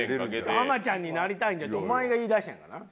浜ちゃんになりたいんじゃってお前が言い出したんやからな。